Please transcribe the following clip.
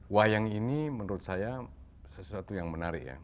wayang ini menurut saya sesuatu yang menarik ya